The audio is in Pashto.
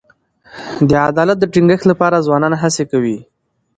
د عدالت د ټینګښت لپاره ځوانان هڅي کوي.